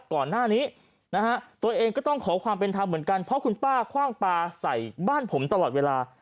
ตัวเองก็ต้องขอความเป็นธรรมเหมือนกันเพราะคุณป้าคว่างปลาใส่บ้านผมตลอดเวลา